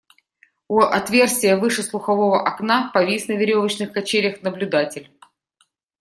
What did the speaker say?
У отверстия выше слухового окна повис на веревочных качелях наблюдатель.